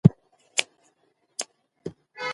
داسې به اووايو چې د ګابا مثال